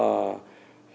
lực lượng dân phòng